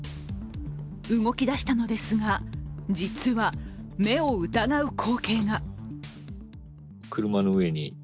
動きだしたのですが、実は目を疑う光景が。